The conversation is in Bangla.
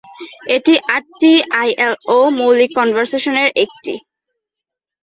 এটি আটটি আইএলও মৌলিক কনভেনশনের একটি।